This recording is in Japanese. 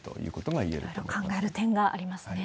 いろいろ考える点がありますね。